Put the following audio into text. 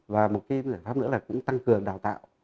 và một cái giải pháp nữa là cũng tăng cường đào tạo